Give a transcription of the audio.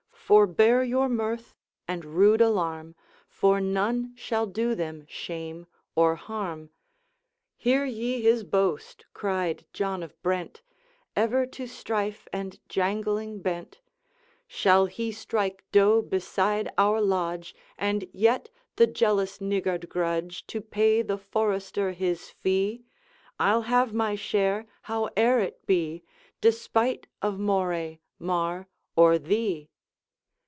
Forbear your mirth and rude alarm, For none shall do them shame or harm. 'Hear ye his boast?' cried John of Brent, Ever to strife and jangling bent; 'Shall he strike doe beside our lodge, And yet the jealous niggard grudge To pay the forester his fee? I'll have my share howe'er it be, Despite of Moray, Mar, or thee.'